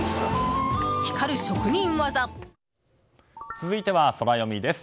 続いてはソラよみです。